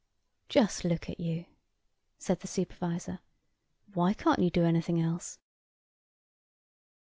"Just look at you," said the supervisor, "why can't you do anything else?"